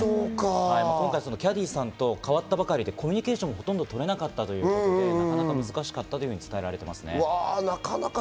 今回、キャディーさんが変わったばかりでコミュニケーションがほとんど取れなかったんということでなかなか難しかったと伝えられていますね。